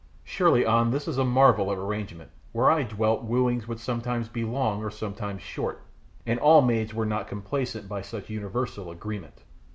"Surely, An, this is a marvel of arrangement. Where I dwelt wooings would sometimes be long or sometimes short, and all maids were not complacent by such universal agreement."